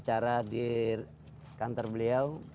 karena di kantor beliau